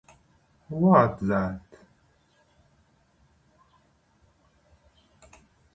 In Portuguese cuisine, they are known as "espetada".